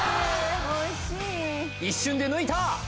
一瞬で抜いた！